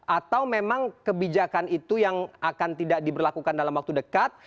atau memang kebijakan itu yang akan tidak diberlakukan dalam waktu dekat